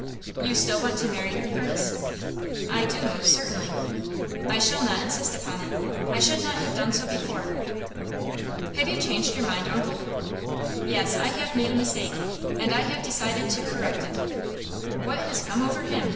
"You still want to marry her, Curtis?" "I do, most certainly." "I shall not insist upon it. I should not have done so before." "Have you changed your mind, uncle?" "Yes; I have made a mistake, and I have decided to correct it." "What has come over him?"